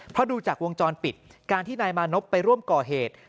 เพราะดูจากวงจรปิดการที่นายมานพไปร่วมก่อเหตุ